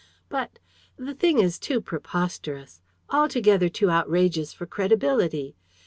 "But the thing is too preposterous! altogether too outrageous for credibility!